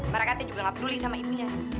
mereka juga gak peduli sama ibunya